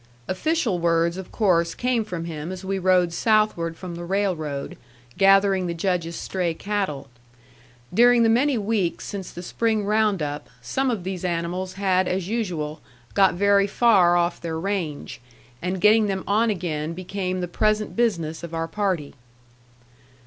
Official words of course came from him as we rode southward from the railroad, gathering the Judge's stray cattle. During the many weeks since the spring round up, some of these animals had as usual got very far off their range, and getting them on again became the present business of our party.